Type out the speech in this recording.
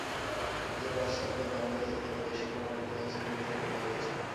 যে বাসচালকের দণ্ড হয়েছে, তিনি দোষী প্রমাণিত হয়েছেন বলেই এমনটা হয়েছে।